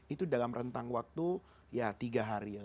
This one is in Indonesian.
itu dalam rentang waktu ya tiga hari